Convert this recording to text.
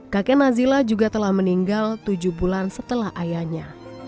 kakek nazila juga telah meninggal tujuh bulan setelah ayahnya